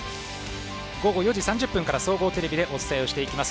午後４時３０分から総合テレビでお伝えをしていきます。